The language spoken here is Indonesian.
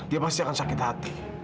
dia pasti akan sakit hati